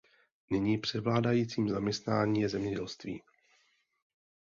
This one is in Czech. Nyní převládajícím zaměstnání je zemědělství.